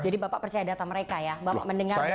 jadi bapak percaya data mereka ya bapak mendengar data mereka